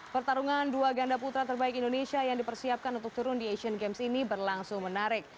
pertarungan dua ganda putra terbaik indonesia yang dipersiapkan untuk turun di asian games ini berlangsung menarik